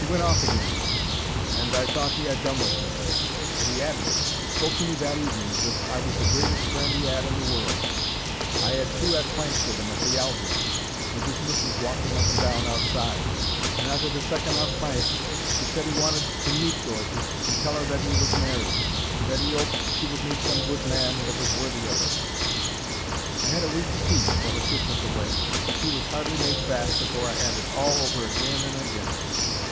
He went off agin then, and I thought he 'ad done with me, but he 'adn't. He spoke to me that evening as if I was the greatest friend he 'ad in the world. I 'ad two 'arfpints with 'im at the Albion—with his missis walking up and down outside—and arter the second 'arf pint he said he wanted to meet Dorothy and tell 'er that 'e was married, and that he 'oped she would meet some good man that was worthy of 'er. I had a week's peace while the ship was away, but she was hardly made fast afore I 'ad it all over agin and agin.